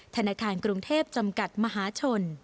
ธนาคารกรุงเทพจำกัดมหาชน